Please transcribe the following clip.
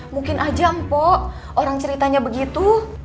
mungkin aja mpok orang ceritanya begitu